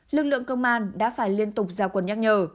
lực lượng công an đã phải liên tục giao quân nhắc nhở